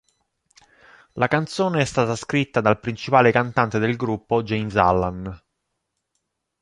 La canzone è stata scritta dal principale cantante del gruppo James Allan.